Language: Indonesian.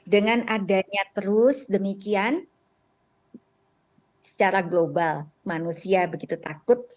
dengan adanya terus demikian secara global manusia begitu takut